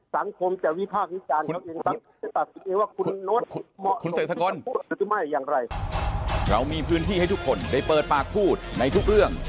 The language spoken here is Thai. สังคมจะวิภาคมิจารณ์ของตัวเอง